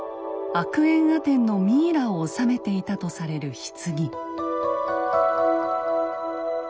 アクエンアテンのミイラをおさめていたとされる棺。